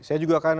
saya juga akan